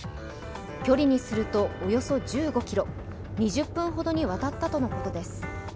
距離にするとおよそ１５ｋｍ、２０分ほどにわたったとのことです。